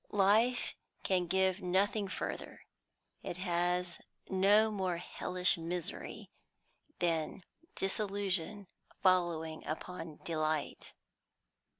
Life can give nothing further, and it has no more hellish misery than disillusion following upon delight."